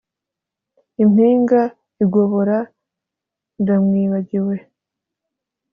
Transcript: impinga igobora ndamwibagiwe,